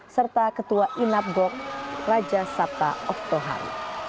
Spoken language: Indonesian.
serta ketua inap gok raja sabta oktohan